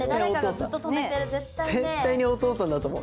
絶対にお父さんだと思う。